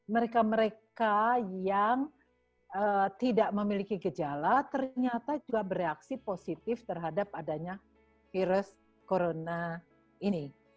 mereka mereka yang tidak memiliki gejala ternyata juga bereaksi positif terhadap adanya virus corona ini